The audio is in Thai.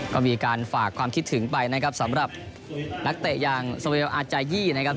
ก็มีการฝากความคิดถึงไปนะครับสำหรับนักเตะอย่างสเวลอาจายี่นะครับ